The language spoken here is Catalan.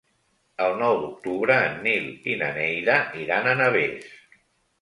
El nou d'octubre en Nil i na Neida iran a Navès.